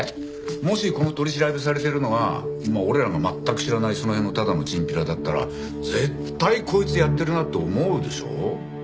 もしこの取り調べされてるのが俺らの全く知らないその辺のただのチンピラだったら絶対こいつやってるなって思うでしょ？